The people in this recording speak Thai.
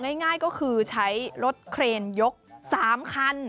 ง่ายก็คือใช้รถเครนยก๓คัน